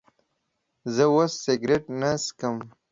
زه اوس سيګرټ نه سکم